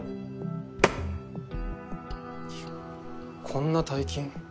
こんな大金。